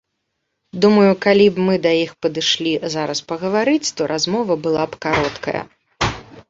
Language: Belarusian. Думаю, калі б мы да іх падышлі зараз пагаварыць, то размова была б кароткая.